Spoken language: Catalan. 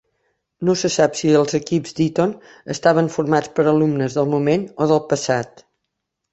No se sap si els equips d'Eton estaven formats per alumnes del moment o del passat.